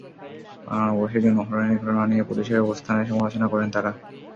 বাংলা নববর্ষে যৌন হয়রানির ঘটনা নিয়ে পুলিশের অবস্থানের সমালোচনা করেন তাঁরা।